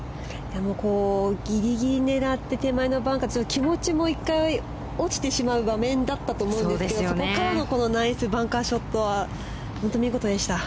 ギリギリ狙って手前のバンカー気持ちも１回落ちてしまう場面だったと思うんですがそこからのナイスバンカーショットは本当に見事でした。